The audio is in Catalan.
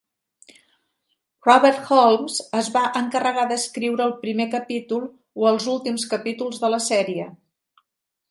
Robert Holmes es va encarregar d"escriure el primer capítol o els últims capítols de la sèrie.